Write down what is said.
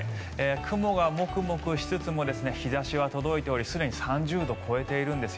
雲がモクモクしつつも日差しは届いておりすでに３０度を超えているんです。